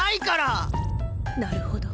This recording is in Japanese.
なるほど。